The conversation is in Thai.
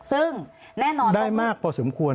ซึ่งแน่นอนได้มากพอสมควร